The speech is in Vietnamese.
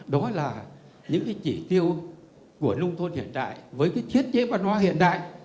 đó là những cái chỉ tiêu của nông thôn hiện đại với cái thiết chế văn hóa hiện đại